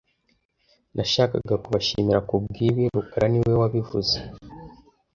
Nashakaga kubashimira kubwibi rukara niwe wabivuze